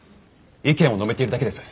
意見を述べているだけです。